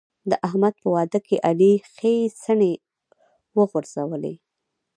د احمد په واده کې علي ښې څڼې وغورځولې.